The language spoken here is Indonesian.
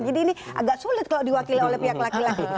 jadi ini agak sulit kalau diwakili oleh pihak laki laki